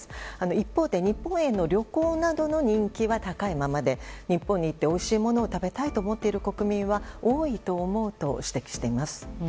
一方で、日本への旅行などの人気は高いままで日本に行っておいしいものを食べたいと思っている国民は多いと思うと指摘しています。